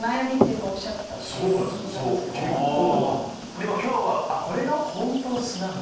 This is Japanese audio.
でも今日はこれが本当の素なんだ！